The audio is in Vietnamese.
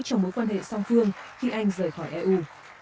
cho mối quan hệ song phương khi anh rời khỏi eu